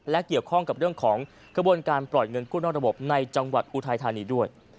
และเกี่ยวข้องกับเรื่องของกระบวนการปล่อยเงินกู้นอกระบบในจังหวัดอุทัยธานีด้วย